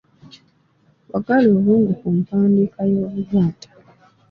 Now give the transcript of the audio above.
Wagala obwongo ku mpandiika y’Oluganda.